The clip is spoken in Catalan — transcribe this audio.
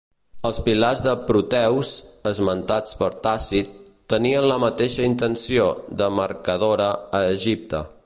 Els pilars de Proteus, esmentats per Tàcit, tenien la mateixa intenció demarcadora a Egipte.